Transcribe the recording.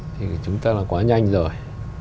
thì chúng ta là quá nhanh rồi